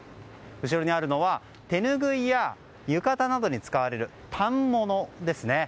後ろにあるのは手ぬぐいや浴衣などに使われる反物ですね。